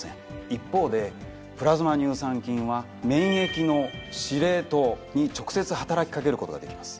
一方で「プラズマ乳酸菌」は免疫の司令塔に直接働き掛けることができます。